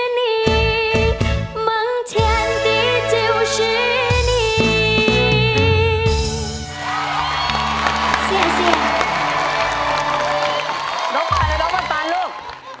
น้องปานและน้องปันปันลูก